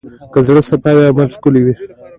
که زړه صفا وي، عمل ښکلی وي.